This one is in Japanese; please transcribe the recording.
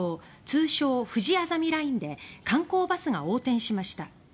通称・ふじあざみラインで観光バスが横転しました。